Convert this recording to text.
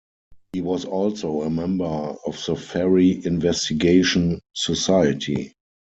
He was also a member of the Fairy Investigation Society.